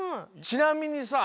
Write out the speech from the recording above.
ちなみにさ